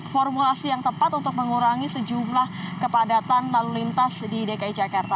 formulasi yang tepat untuk mengurangi sejumlah kepadatan lalu lintas di dki jakarta